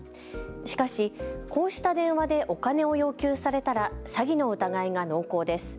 しかし、こうした電話でお金を要求されたら詐欺の疑いが濃厚です。